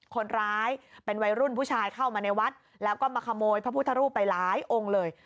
คนร้ายเป็นวัยรุ่นผู้ชายเข้ามาในวัดแล้วก็มาขโมยพระพุทธรูปไปหลายองค์เลย